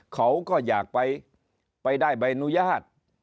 เขาก็อยากไปได้ใบอนุญาต